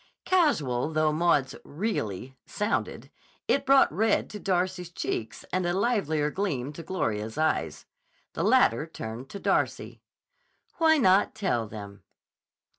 Casual though Maud's "really" sounded, it brought red to Darcy's cheeks and a livelier gleam to Gloria's eyes. The latter turned to Darcy. "Why not tell them?"